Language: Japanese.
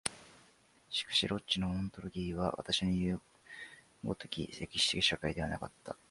しかしロッチェのオントロギーは私のいう如き歴史的社会的ではなかった。